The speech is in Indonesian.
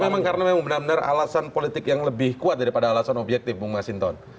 memang karena memang benar benar alasan politik yang lebih kuat daripada alasan objektif bung masinton